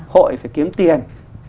hội phải kiếm tiền